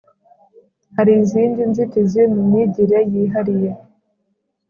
Hari izindi nzitizi mu myigire yihariye